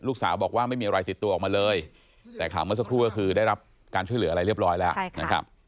ลูกสาวบอกว่าไม่มีอะไรติดตัวออกมาเลยแต่ข่าวเมื่อสักครู่ก็คือได้รับการช่วยเหลืออะไรเรียบร้อยแล้วนะครับ